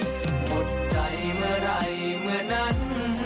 หมดใจเมื่อไหร่เมื่อนั้น